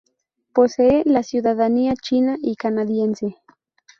Posee la ciudadanía china y canadiense.